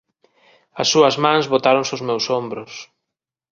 As súas mans botáronse ós meus ombros.